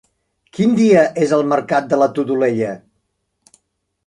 Quin dia és el mercat de la Todolella?